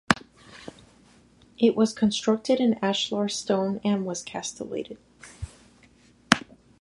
It was constructed in ashlar stone and was castellated.